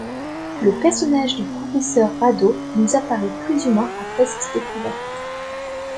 Le personnage du professeur Radō nous apparaît plus humain après cette découverte.